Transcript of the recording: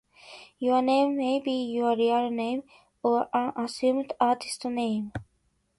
Your name may be your real name, or an assumed artist name.